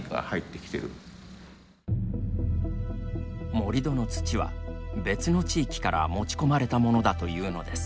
盛り土の土は、別の地域から持ち込まれたものだというのです。